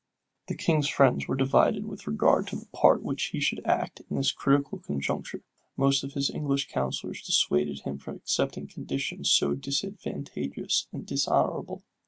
The king's friends were divided with regard to the part which he should act in this critical conjuncture. Most of his English counsellors dissuaded him from accepting conditions so disadvantageous and dishonorable.